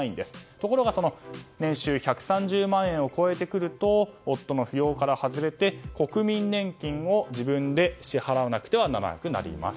ところが年収１３０万円を超えてくると夫の扶養から外れて、国民年金を自分で支払わなくてはならなくなります。